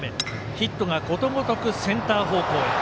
ヒットがことごとくセンター方向へ。